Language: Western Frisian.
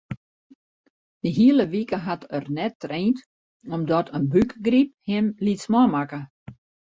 De hiele wike hat er net traind omdat in bûkgryp him lytsman makke.